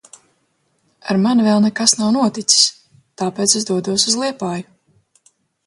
Ar mani vēl nekas nav noticis. Tāpēc es dodos uz Liepāju.